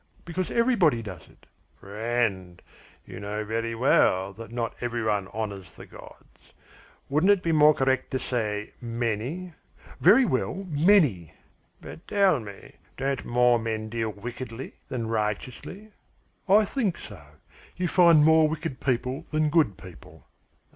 Because everybody does it." "Friend, you know very well that not every one honours the gods. Wouldn't it be more correct to say 'many'?" "Very well, many." "But tell me, don't more men deal wickedly than righteously?" "I think so. You find more wicked people than good people."